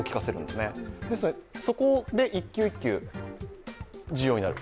ですのでそこで一球一球、重要になる。